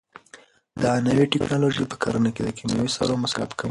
دا نوې ټیکنالوژي په کرنه کې د کیمیاوي سرو مصرف کموي.